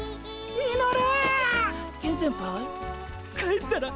ミノル。